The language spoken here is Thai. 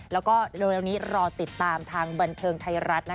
แล้วยังรอติดตามทางบนเทิงไทยรัฐ